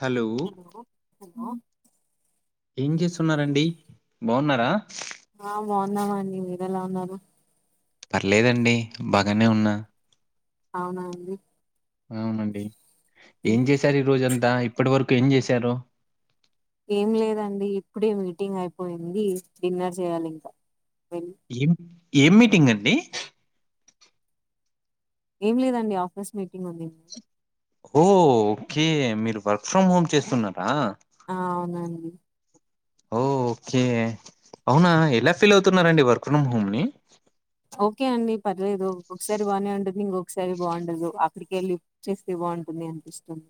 Hello hello ఏం చేస్తున్నారంండి బాగున్నారా ఆ బాగున్నామాండి మీర ఎలా ఉన్నారు పర్లేదండి బాగానే ఉన్నా అవునా అండి అవునండి ఏం ఉహు. చేసారు ఈ రోజంత త అదా ఇప్పటి వరకు ఏం చేశారు ఏం లేదండి ఇప్పుడే మీటింగ్ అయిపోయింది డిన్నర్ చేయాలి ఇంకా వెళ్ళి ఏం ఏం మీటింగ్ అండి ఏం లేదండి ఆఫీస్ మీటింగ్ ఉంది ఓ ఓకే మీరు వర్క్ ఫ్రమ్ హోమ్ చేస్తున్నారా ఆ అవునండి ఓ ఓకే అవునా ఎలా ఫీల్ అవుతున్నండి వర్క్ ఫ్రమ్ హోమ్ని ఓకే అండి పర్లేదు ఒ ఒకసారి బాగానే ఉండది ఇంకొకసారి బాగుండదు అక్కడికి వెళ్ళి చేస్తే బాగుంటుంది అనిపిస్తుంది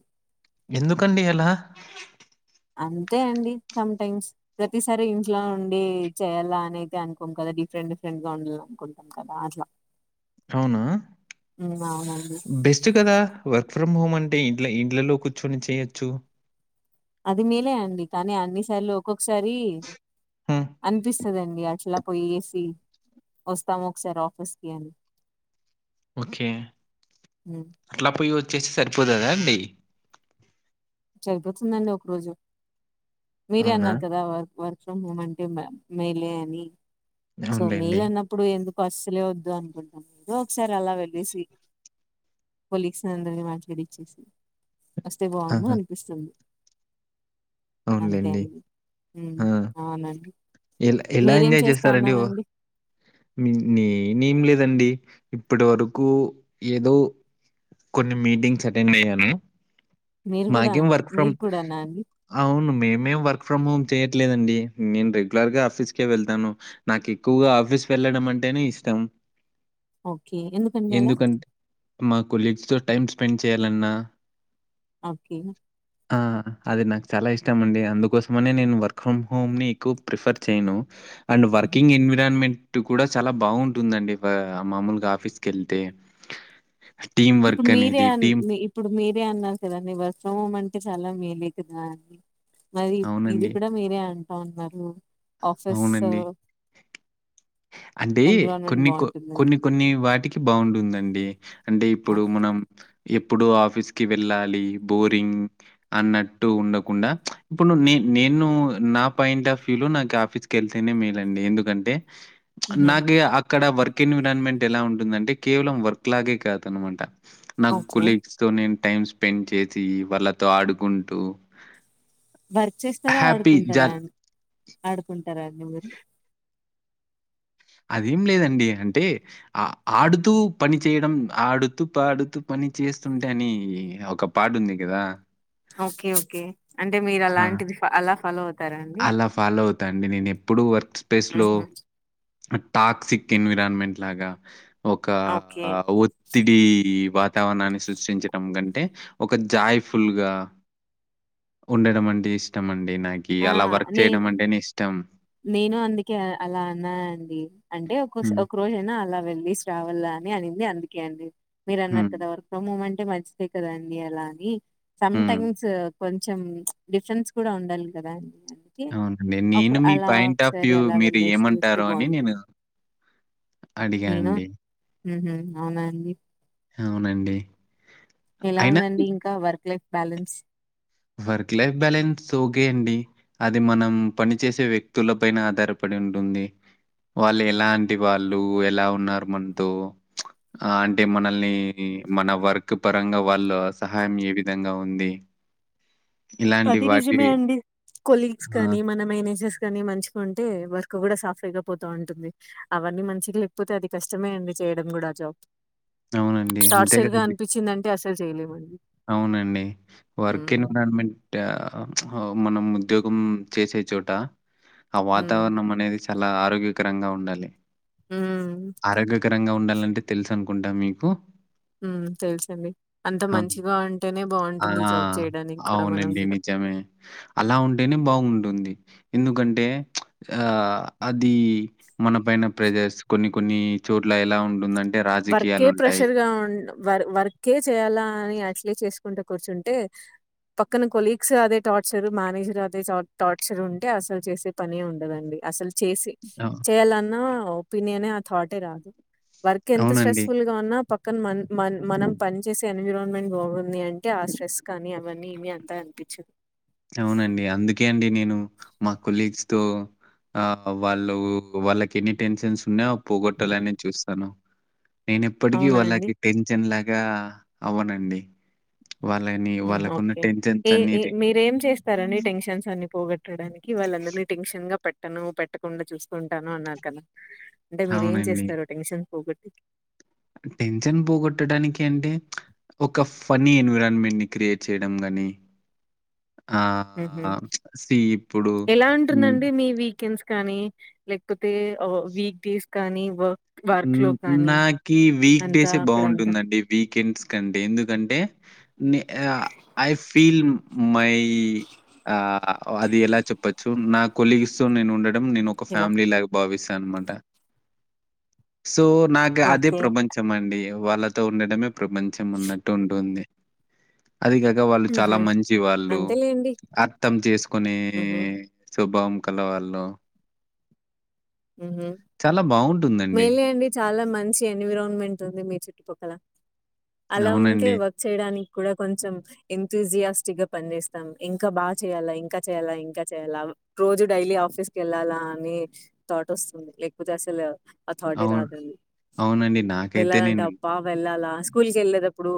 ఎందుకండి అలా అంతే అండి సటైమ్స్ ప్రతిసారి ఇంట్లో ఉండి చేయాలా అని అయితే అనుకోం కదా డిఫరెంట్ డిఫరెంట్ గా ఉండాల అనుకుంటాం కదా అట్లా అవునా ఉమ్, అవునండి బెస్ట్ కదా వర్క్ ఫ్రమ్ హోమ్ అం టే ఇంట్ల ఇంట్లలో కూర్చొని చేయొచ్చు అది మేలే అండి కానీ అన్ని సార్లు ఒక్కొక్ సారి హ్మ్, అనిపిస్ వస్తుదండి అట్లా పోయేసి వస్తాం ఒకసారి ఆఫీస్ కి అని ఓకే ఉమ్, అట్లా పోయి వచ్ వచ్చేసి సరిపోతదా అండి సరిపోతుందండి ఒక రోజు మీరే అవునా అన్నారు కదా వర్క్ వర్క్ ముమంటే మ మేలే అని సో అవునులేండి మేలన్నప్పుడు ఎం కస్సలే వద్దు అనుకుంట్నం ఓ ఒకసారి అలా వెళ్ళేసి కొలీగ్స్ నందరినీ మాట్లాడిచ్చేసి వస్తే బాగుండు ఆహ అన్ తుంది అంతే అవునులెండి. అండి మ్మ్ ఆ! అవునండి ఎలా ఎలా మీరేం ఎంజాయ్ చేస్తా చేస్తారండి హొ ఉన్నారండి నేనేం లేదండి అండి ఇప్పటి వరకూ ఏదో కొన్ని మీటింగ్స్ అటెండ్ అయ్యాను మీరు కూడా మాకేం అన్- వర్క్ ఫ్రమ్ మీరు కూడానా అండి అవును మేమేం వర్క్ ఫ్రమ్ హోమ్ చేయట్లేదండి నేను రెగ్యులర్గా ఆఫీస్కే వెళ్తాను నాకు ఎక్కువగా ఆఫీస్ వెళ్ళడం అంటేనే ఇష్టం ఓకే ఎందుకండి అలా ఎందుకంటె మా కొలీగ్స్ తో టైమ్స్ స్పెండ్ చేయాలన్నా ఓకే ఆ అది నాకు చాలా ఇష్టం అండి అందుకోసమనే నేను వర్క్ ఫ్రమ్ హోమ్ని ఎక్కువ ప్రిఫర్ చేయనూ అండ్ వర్కింగ్ ఎన్విరాన్మెంట్ టు కూడా చాలా బాగుంటుందండి ఆ మామూలుగా ఆఫీస్ కెళ్తే ఇప్పుడు మీరే అన్ మి ఇప్పుడు మీరే అన్నారు కదండి వర్క్ ఫ్రమ్ హోమ్ అంటే చాలా మేలేకదా అనీ మరి ఇది అవునండి. కూడ మీరే అంట్ అన్నారు ఆఫీసో అవునండి. అంటే కొన్ని కొ కొన్ని కొన్ని వాటికి బాగుంటుందండి అంటే ఇప్పుడు మనం ఎప్పుడు ఆఫీస్ కి వెళ్ళాలీ బోరింగ్ అన్నట్టు ఉండకుండా ఇప్పుడు నే నేను నా పాయింట్ ఆఫ్ వ్యూ లో నాకు ఆఫీస్ కెళ్తేనే మేలండి ఎందుకంటే ఉహు నాకిగ అక్ అక్కడ వర్క్ ఎన్విరాన్మెంట్ ఎలా ఉంటుందంటే కేవలం వర్క్ లాగే కాద అన్నమాట నాక్ ఓకే కొలీగ్స్ తో నేన్ టైం స్పెండ్ చేసీ వాళ్ళతో ఆడుకుంటూ వర్క్ చేస్తారా హ్యాపీ ఆడుకుంటరా జాల్ అం ఆడుకుంట టారా అండి మీరు అదేం లేదండి అంటే ఆ ఆడుతూ పని చేయడం ఆడుతూ పాడుతూ పని చేస్తుంటే అనీ ఒక పాట ఉంది కదా ఓకే ఓకే అంటే మీరు అలాంటిది అలా ఫాలో అవు అలా ఫాలో అవుతా అండి నేను ఎప్పుడూ వర్క్ స్పేస్ లో ఉహు టాక్సిక్ ఎన్విరాన్మెంట్ అట్లాగా ఒకా ఓకే ఒత్తిడీ... వాతావరణాన్ని సృష్టించడం కంటే ఒక జాయ్ ఫుల్ గా... ఉండడం అంటే ఇష్టం అండి నాక్ నాకి. ఆ..... అలా వర్క్ నే చేయడం అంటేనే నేను అందుకే అలా అన్నా అండి అంటే ఒక హ్మ్. ఒక రోజయినా అలా వెళ్లి శ్రావణ్ లానె అని అనింది అందుకే అండి హ్మ్. మీరన్నట్టు దాన్ని పొమ్మమని మంచిదే కదాండి అలా అని హ్మ్. సటైమ్స్ కొంచెం డిఫెన్స్ కూడా ఉండాలి కదా అందుకే అవును ఒక నేను మీ అలా పాయింట్ ఆఫ్ ఒకసారి వ్యూ అలా మీరు వెళ్ళేసి చూస్తే ఏమంటారో అని నేను బాగుంటుంది అడిగానండి ఉ హుమ్ అవునా అండి అవునండి ఎలా అయినా ఉందండి ఇంకా work life balance work life balance okay అండి అది మనం పనిచేసే వ్యక్తుల పైన ఆధారపడి ఉంటుంది వాళ్ళు ఎలాంటి వాళ్ళు ఎలా ఉన్నారు మనతో ఆ.. అంటే మనల్ని మన వర్క్ పరంగా వాళ్ళు సహాయం ఏ విధంగా ఉంది ఇలాంటి అది వాటి నిజమే అండి కొలీగ్స్ ఆ! గానీ మన మేనేజెస్ కానీ మంచిగాంటే వర్క్ కూడా సాఫీ గా పోతా ఉంటుంది అవన్నీ మంచిగా లేకపోతే అది కష్టమే అండి చేయడం కూడా అ జాబ్ అవునండి. అంతే టాడ్సైడ్ గా కదండీ! అనిపించిందింటే అసలు అస్సల్ చేయలే మండి అవునండి వర్క్ ఎన్విరాన్మెంట్ య... ఆ... మనం ఉద్యోగం చేసే చోట అ హ్మ్. వాతవరణం మనేది ఎలా ఆరోగ్యకరంగా ఉండాలి హ్మ్. ఆరోగ్యకరంగా ఉండాలి లంటే తెలుసు అనుకుంటా మీకు హ్మ్. తెలుసండి. అంత ఆమ్ మంచిగా ఉంటేనే ఆ... బావుంటుంది జాబ్ చేయడానికి కూడా మనం అవునండి గూడా. నిజమే అలా ఉంటేనే బావుంటుంది ఎందుకంటే ప్చ్ ఆ అది మన పైన ప్రెజర్స్ కొన్ని కొన్నీ చోట్ల ఎలా ఉంటుందంటే వర్కే రాజకీయాలుంటాయి. ప్రెషర్ గా ఉం వ వర్కే చేయాల అని అ ల్ చేసుకుంట కూర్చుంటే పక్కన కొలీగ్స్ అదే టార్చర్ మేనేజర్ అదే టార్చర్ ఉంటే అసలు చేసే పనే ఉండదంఢి అసల్ చేసి అవ్ చేయాలన్నా ఆ ఒపీనియనె ఆ థాటే రాదు కి ఎంత స్ట్రెస్ అవునండి. ఫుల్ గా ఉన్నా ప కానీ మన్ మన్ మనం పని చేేసే ఎన్విరాన్మెంట్ బాగుంది అంటే ఆ స్ట్రెస్ కానీ అవన్నీ ఏమీ అంతా అనిపించద్ అవునండి అందుక్ ఓకే అండి నేను మా కొలీగ్స్ తో ఆ వాళ్ళు వాళ్ళకి ఎన్ని టెన్షన్స్ ఉన్నాయోఅవి పోగొట్టాలనె చూస్తాను నేన ఎప్పటికీ అవునా అండి? వాళ్ళకి టెన్షన్ లా గా అవునండి ఓకే ఏ ఏ అనేది మీరేం చేస్తారని టెన్షన్స్ అన్ని పోగొట్టడానికి వాళ్ళందరినీ టెన్షన్ గా పట్ట పట్టను పెట్టకుండా చూసుకుంటాను అన్నారు కదా అంటే మీర ఏం అవునండి. చేస్తారు టెన్షన్ పోగొట్ టెన్షన్ పోగొట్టడానికి అంటే ఒక ఫనీ ఎన్విరాన్మెంట్ ని క్రియేట్ చేయడం గానీ ఆ హుహు. సి ఇప్పుడు ఎలా హ్మ్ ఉంటుందండి మీ వీకెండ్స్ కానీ లేకపోతే ఆ వీక్ డేస్ కానీ వ హ్మ్ నాకి వీక్ అంతా డేస్ అక్కడంతా బాగుంటుందండి వీకెండ్స్ కంటే ఎందుకంటే నీ ఆ ఐ ఫీల్ మై ఈ ఆ అది ఎలా చెప్పచ్చు నాకు కొలీగ్స్ తో నే ఉండట టం నేను ఒక ఇలా? ఫ్యామిలీ లా భావిస్తా తనమాట సో నాకు అదే ఓకే. ప్రపంచం అండి వాళ్ళతో ఉండడమే ప్రపంచం ఉన్నట్టు ఉంటుంది అది కాక వాళ్ళు చాలా హుహు. మంచి వాళ్ళు అంతేలేండి. అర్థం చేసుకునే హుహు. స్వభావం కలవాళ్ళు హ్మ్ చాలా బావుంటుందండి. మేలే అండి చాలా మ మంచి ఎన్విరాన్మెంట్ ఉంది మీ చుట్టుపక్కల అలా ఉంటే అవునండి. వర్క్ చేయడానికి కూడా కొంచెం ఎథుజియాస్టిక్ గా పని చేేస్తాం ఇంకా బాగా చేయ్యాలా ఇంకా చేయాలా ఇంకా చేయాలా రోజు డైలీ ఆఫీస్ కి వెళ్ళాలా అని థాట్ వస్తుంది లేకపోతే అసలు అ థాటే అవును. రాదండి అవునండి. నాకైతే వెళ్ళాలంటే నేను అబ్బ వెళ్ళాలా స్కూల్ కి వెళ్ళేటప్పుడు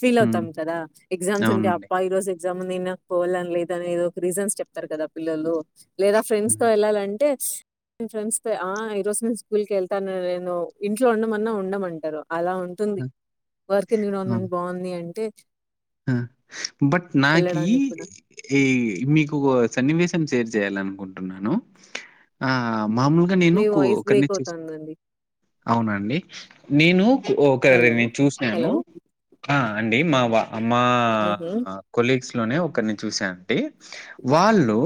ఫీల్ హ్మ్. అవుతాం కదా ఎగ్జామ్స్ ఉంటే అవునండి. అబ్బ ఈ రోజు ఎగ్జామ్ ఉంది నాకు పోవాలని లేదనేది ఒక రీజన్స్ చెప్తారు కదా పిల్లలు లేదా ఫ్రెండ్స్ తో వెళ్ళాలంటే నేను ఫ్రెండ్స్ తో ఆ ఈరోజు నేను స్కూల్ కి వెళ్తాను నేను ఇంట్లో ఉండమన్నా ఉండమంటారు అలా ఉంటుంది ఆ! వర్క్ ఎన్విరాన్మెంట్ బాగుంది అంటే హ్మ్ బట్ నాకి వెళ్ళడానికి కూడా ఈ మీకు ఒ సన్నివేశం షేర్ చేయాలి అనుకుంటున్నాను ఆ మామూలుగా నేను మీ కో వాయిస్ ఒకరిని బ్రేక్ చూస్ అవుతుందండి అవునండి నేనూ హలో ఒకరిని చూసినాను హలో ఆ అండి మావా అమ్మా ఉహు కొలీగ్స్ లోనే ఒకరిని చూశాను టె వాళ్ళు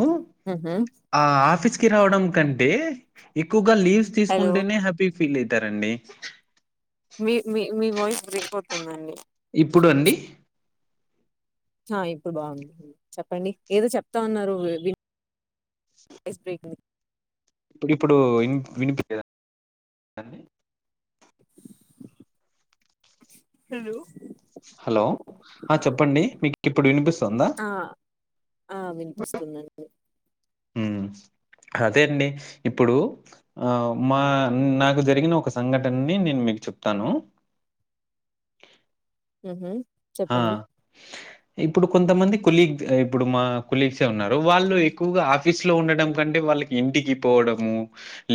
ఉహు ఆ ఆఫీస్ కి రావడం కంటే ఎక్కు గా లీవ్స్ హలో తీసుకుంటేనే హ్యాపీ ఫీల్ది టరండి మీ మీ మీ వాయిస్ బ్రేక్ అవుతుందండి ఇప్పుడు అండి ఆ ఇప్పుడు బావుంది చెప్పండి ఏదో చెప్తా ఉన్నారు వ్ వాయిస్ బ్రేక్ ఇప్పుడు ఇప్పుడు ఇన్ వినిపిలేదా అన్ని హలో హలో ఆ చెప్పండి మీకు ఇప్పుడు వినిపిస్ ఆ ఆ విన్ పిస్తుందండి మ్ అదే అండి ఇప్పుడు ఆ మా నాకు జరిగిన ఒక సంఘటనని నేను మీకు చెప్తాను ఊహూ ఆ చెప్పండి ఇప్పుడు కొంతమంది కులీగ్ ఇప్పుడు మా కులీగ్స్ఏ ఉన్నారు వాళ్ళు ఎక్కువగా ఆఫీస్ లో ఉండడం కంటే వాళ్ళకి ఇంటికి పోవడము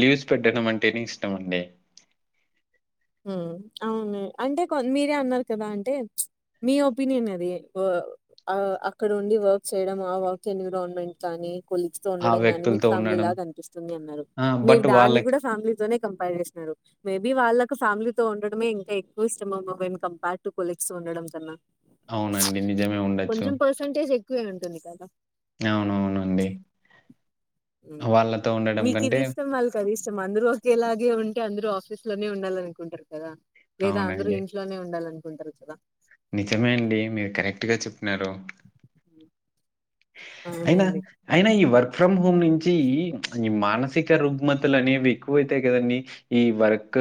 లీవ్స్ పెట్టడం అంటేనే ఇష్టం అండి మ్ అవును అంటే కొన్ మీరే అన్నారు కదా అంటే మీ ఒపీనియన్ అది వా ఆ అక్కడ ఉండి వర్క్ చేయడం ఆ వర్క్ ఎన్విరాన్మెంట్ కాని కొలీగ్స్ తో ఆ ఉండడం గానీ మీకు వ్యక్తులతో ఫ్యామిలీ ఉండడం లాగా అనిపిస్తుంది అన్నారు ఆ మీరు బట్ దాన్ని వాళ్ళకి కూడా ఫ్యామిలీ తోనే కంపేర్ చేస్తున్నారు మేబీ వాళ్ళ ఫ్యామిలీతో ఉండడమే ఇంకా ఎక్కువ ఇష్టం. ఏమో వెన్ కంపర్ టు కొలీగ్స్ తో ఉండడం కన్నా. అవునండి నిజమే ఉండొచ్చు. క్కువే ఉంటుంది కదా! అవునవునండి ఉమ్ వాళ్ళతో ఉండడం మీకిది కంటే ఇష్టం, వాళ్ళకి అది ఇష్ చం అందరూ ఒకే లాగే ఉంటే. అందరూ ఆఫీస్ లోనే ఉండాల. అనుకుంటరు కదా! లేదా అందరూ అవునండి ఇంట్లోనే ఉండాలన్ కుంటారు కదా. నిజమే అండి. మీరు కరెక్ట్ గా చెప్పినారు. అయినా అవునండి. అయినా ఈ వర్ ఫ్రమ్ హోమ్ నుంచి ఈ మానసిక రుగ్మతలు అనేవి ఎక్కువ అైతాయి కదండి. ఈ వర్క్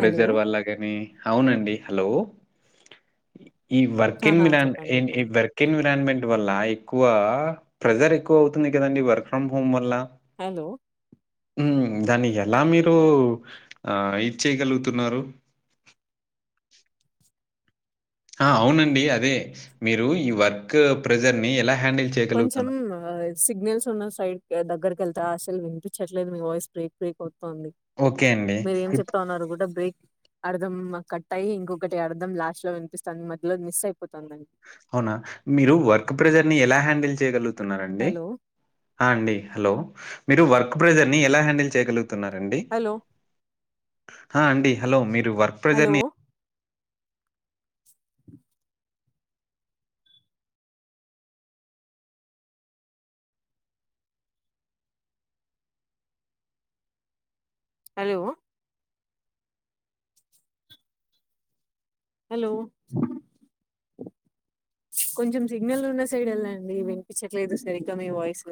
హలో వల్ల గాని. అవునండి. హలో! ఈ వర్కెన్ ఆహా! ఎన్వీరాన్ చెప్పండి. ఈ చెప్పండి. వర్కెన్ ఎన్విరాన్మెంట్ వళ్ళ ఎక్కువ ప్రెజర్ ఎక్కువ అవుతుంది కదండి. వర్క్ ఫ్రమ్ హోమ్ వల్ల. హలో ఉహ్ దాన్ని ఎలా మీరు. ఆ ఇద్ చేయగలుగుతున్నారు. ఆ అవునండి. అదే మీరు ఈ వర్క్ ప్రెజర్ ని ఎలా! హ్యాండిల్ కొంచెం. చేయగలుగుతున్నారు? ఆ సిగ్నల్స్ ఉన్న సైడ్ దగ్గరకి వెళ్ తా అసలు విపించట్లేదు. మీ వాయిస్ బ్రేక్ బ్రేక్ అవుతు తుంది. ఓకే అండి. మీరు ఏం ఇప్ చెప్తా ఉన్నారు కూడా బ్రేక్ అర్ధం కట్టాయి. ఇంకొకటి అర్ధం లాస్ట్ లో వినిపిస్తంది. మధ్యలో మిస్ అయిప్ అవునా మీరు వర్క్ ప్రెజర్ ని ఎలా! హ్యాండ్, ళ్ చేయగాల్ తున్నారండి. హలో! ఆ అండి హలో! మీరు వర్క్ ప్రెజర్ ని ఎలా హ్యాండిల్ చేయగలుగ్ తున్నారండి. హలో! హా అండి హలో మీర్ వర్క్ హలో! ప్రజర్ ని హలో! హలో! కొంచెం సిగ్నల్ ఉన్న సైడ్ వెళ్దండి. వినిపించట్లేదు సరిగ్గా మీ వాయిస్